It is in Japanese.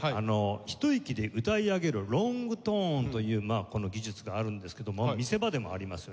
ひと息で歌い上げるロングトーンという技術があるんですけども見せ場でもありますよね。